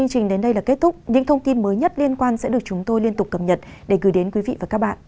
những thông tin mới nhất liên quan sẽ được chúng tôi liên tục cập nhật để gửi đến quý vị và các bạn